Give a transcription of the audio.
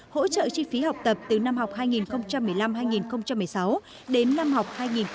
hỗ trợ chi phí học tập từ năm học hai nghìn một mươi năm hai nghìn một mươi sáu đến năm học hai nghìn hai mươi hai nghìn hai mươi